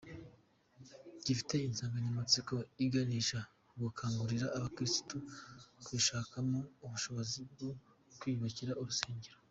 Gifite insanganyamatsiko iganisha ku gukangurira abakirisitu kwishakamo ubushobozi bwo kwiyubakira urugensero.